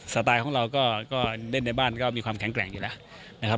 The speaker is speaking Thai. สไตล์ของเราก็เล่นในบ้านก็มีความแข็งแกร่งอยู่แล้วนะครับ